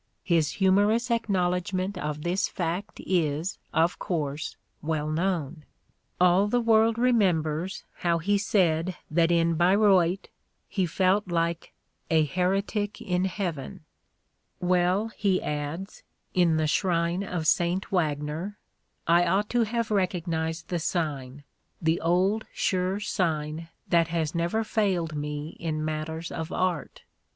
His humorous acknow ledgment of this fact is, of course, well known; all the world remembers how he said that in Bayreuth he felt The Playboy in Letters 153 like "a heretic in heaven": — "Well," he adds, in "The Shrine of St. Wagner," "I ought to have recognized the sign — the old, sure sign that has never failed me in matters of art.